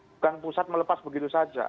bukan pusat melepas begitu saja